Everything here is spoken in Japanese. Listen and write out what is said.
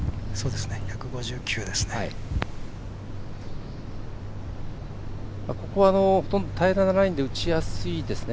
１５９ですね。